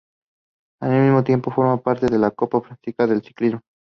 Al mismo tiempo, forma parte de la Copa de Francia de ciclismo.